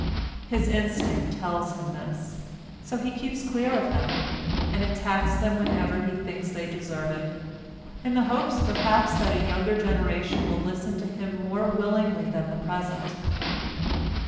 His instinct tells him this, so he keeps clear of them, and attacks them whenever he thinks they deserve it—in the hope, perhaps, that a younger generation will listen to him more willingly than the present."